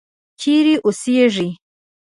چیرې اوسیږې.